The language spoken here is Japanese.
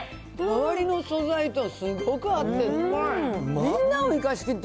周りの素材とすっごく合ってうまっ。